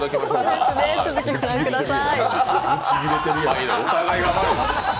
続きを御覧ください。